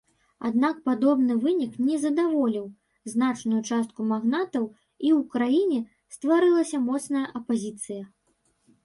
Аднак падобны вынік не задаволіў значную частку магнатаў і ў краіне стварылася моцная апазіцыя.